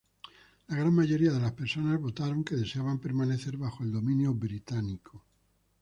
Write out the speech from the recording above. La gran mayoría de las personas votaron que deseaban permanecer bajo el dominio británico.